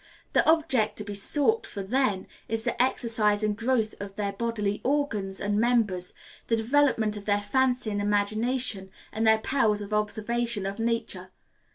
The object to be sought for then is the exercise and growth of their bodily organs and members, the development of their fancy and imagination, and their powers of observation of nature.